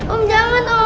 om jangan om